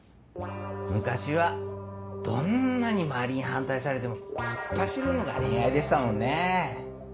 昔はどんなに周りに反対されても突っ走るのが恋愛でしたもんね。